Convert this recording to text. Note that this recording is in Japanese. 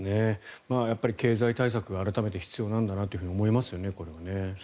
経済対策が改めて必要なんだと思いますね。